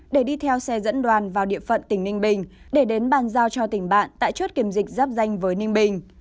để đi theo xe dẫn đoàn vào địa phận tỉnh ninh bình để đến bàn giao cho tỉnh bạn tại chốt kiểm dịch giáp danh với ninh bình